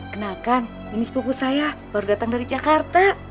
kenalkan ini sepupu saya baru datang dari jakarta